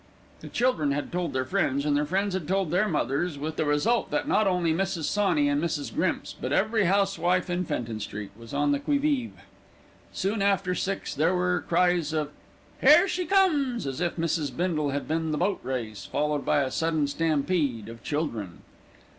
The children had told their friends, and their friends had told their mothers, with the result that not only Mrs. Sawney and Mrs. Grimps; but every housewife in Fenton Street was on the qui vive. Soon after six there were cries of "Here she comes," as if Mrs. Bindle had been the Boat Race, followed by a sudden stampede of children.